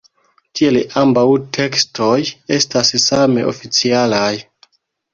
Tiel ambaŭ tekstoj estas same oficialaj.